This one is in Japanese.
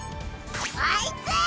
あいつ！